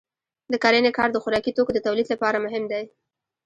د کرنې کار د خوراکي توکو د تولید لپاره مهم دی.